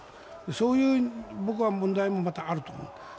そういう僕は問題もまたあると思う。